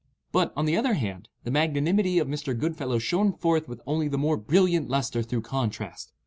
But, on the other hand, the magnanimity of Mr. Goodfellow shone forth with only the more brilliant lustre through contrast.